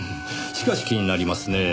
しかし気になりますねぇ。